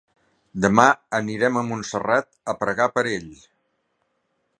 Demà anirem a Montserrat a pregar per ell.